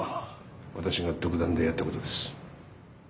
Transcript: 私が独断でやったことです。